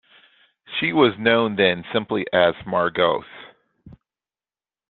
She was known then simply as Margox.